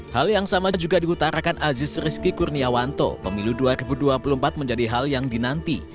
hal yang sama juga diutarakan aziz rizky kurniawanto pemilu dua ribu dua puluh empat menjadi hal yang dinanti